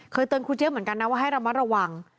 เคยเตือนครูเจี๊ยเหมือนกันนะว่าให้ระมัดระวัง